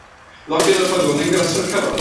L'occhio del padrone ingrassa il cavallo.